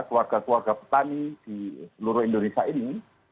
keluarga keluarga petani di seluruh indonesia ini